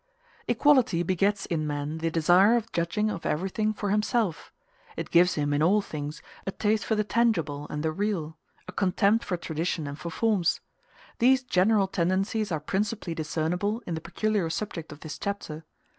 Equality begets in man the desire of judging of everything for himself: it gives him, in all things, a taste for the tangible and the real, a contempt for tradition and for forms. These general tendencies are principally discernible in the peculiar subject of this chapter.